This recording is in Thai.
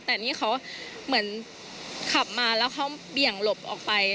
แต่นี่เขาเหมือนขับมาแล้วเขาเบี่ยงหลบออกไป